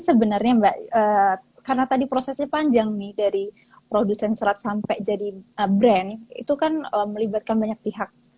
sebenarnya mbak karena tadi prosesnya panjang nih dari produsen serat sampai jadi brand itu kan melibatkan banyak pihak